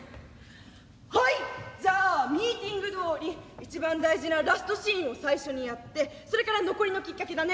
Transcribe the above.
はいじゃあミーティングどおり一番大事なラストシーンを最初にやってそれから残りのきっかけだね。